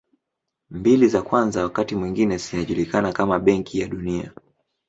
Mbili za kwanza wakati mwingine zinajulikana kama Benki ya Dunia.